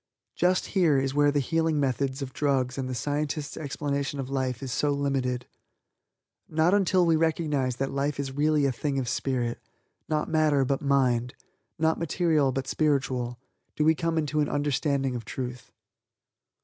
Just here is where the healing methods of drugs and the scientist's explanation of life is so limited. Not until we recognize that life is really a thing of spirit not matter but mind not material but spiritual do we come into an understanding of Truth.